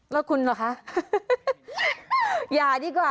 แล้วคุณเหรอคะ